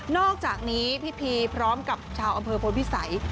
อกจากนี้พี่พีพร้อมกับชาวอำเภอพลพิสัย